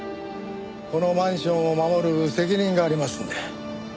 このマンションを守る責任がありますので。